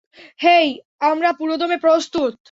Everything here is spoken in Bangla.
হেই, আমরা পুরোদমে প্রস্তুত।